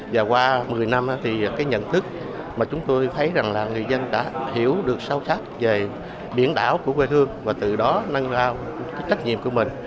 và qua một mươi năm thì cái nhận thức mà chúng tôi thấy rằng là người dân đã hiểu được sâu sắc về biển đảo của quê hương và từ đó nâng ra cái trách nhiệm của mình